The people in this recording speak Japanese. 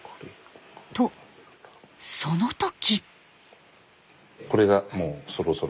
とその時。